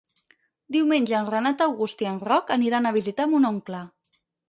Diumenge en Renat August i en Roc aniran a visitar mon oncle.